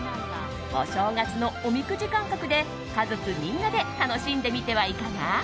お正月のおみくじ感覚で家族みんなで楽しんでみてはいかが？